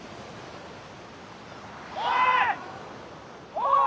・おい！